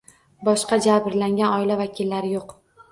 Boshqa jabrlangan oila vakillari yoʻq.